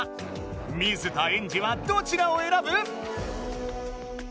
水田エンジはどちらをえらぶ？